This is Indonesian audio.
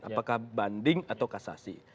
apakah banding atau kasasi